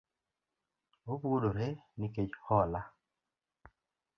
Opuodore nikech hola